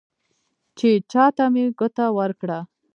چې چا ته مې ګوته ورکړه،